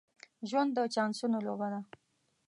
ژوند د چانسونو لوبه ده.